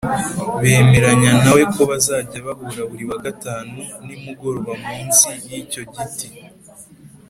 bemeranya na we ko bazajya bahura buri wa gatanu nimugoroba munsi y’icyo giti